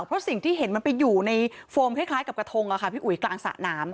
เพราะสิ่งที่เห็นมันไปอยู่ในโฟมคล้ายกับกระทงพี่อุ๋ยกลางสระน้ำ